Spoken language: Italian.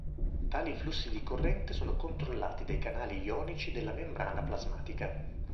Tali flussi di corrente sono controllati dai canali ionici della membrana plasmatica.